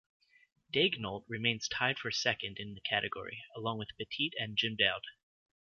Daigneault remains tied for second in the category, along with Petit and Jim Dowd.